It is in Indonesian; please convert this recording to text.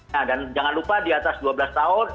nah dan jangan lupa di atas dua belas tahun